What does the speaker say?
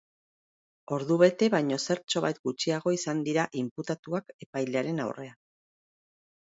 Ordubete baino zertxobait gutxiago izan dira inputatuak epailearen aurrean.